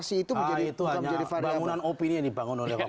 nah itu hanya bangunan opini yang dibangun oleh rocky